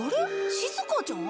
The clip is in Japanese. しずかちゃん？